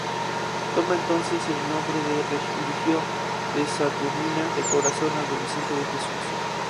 Toma entonces el nombre de religión de Saturnina del Corazón Agonizante de Jesús.